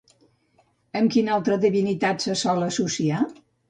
Amb quin altra divinitat se sol associar?